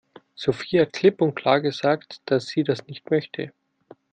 Sophie hat klipp und klar gesagt, dass sie das nicht möchte.